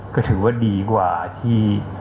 ก็ถือว่าดีกว่าที่